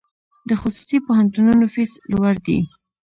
د خصوصي پوهنتونونو فیس لوړ دی؟